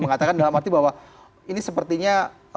mengatakan dalam arti bahwa ini sepertinya